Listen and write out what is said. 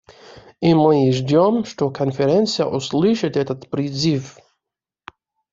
И мы ждем, что Конференция услышит этот призыв.